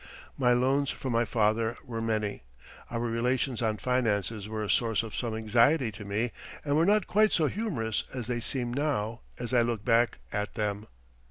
My loans from my father were many. Our relations on finances were a source of some anxiety to me, and were not quite so humorous as they seem now as I look back at them.